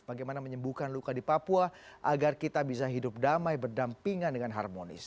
bagaimana menyembuhkan luka di papua agar kita bisa hidup damai berdampingan dengan harmonis